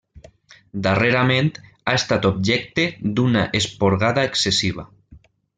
Darrerament, ha estat objecte d'una esporgada excessiva.